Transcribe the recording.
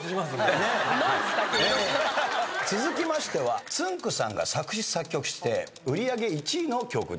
続きましてはつんく♂さんが作詞作曲して売り上げ１位の曲です。